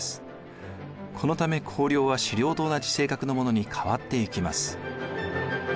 このため公領は私領と同じ性格のものに変わっていきます。